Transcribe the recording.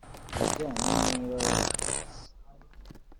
ibijyanye niba warashatse